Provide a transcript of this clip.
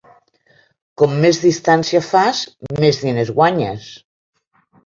Com més distància fas, més diners guanyes.